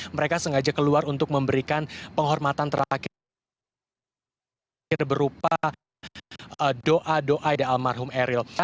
mereka sengaja keluar untuk memberikan penghormatan terakhir berupa doa doa dari almarhum eril